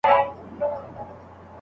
که خطر ونه منئ نو پرمختګ نسئ کولای.